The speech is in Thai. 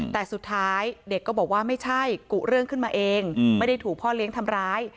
แต่สุดท้ายเด็กก็บอกว่าไม่ใช่กุเรื่องขึ้นมาเองไม่ได้ถูกพ่อเลี้ยงทำร้าย